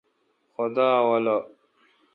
خدا اولو۔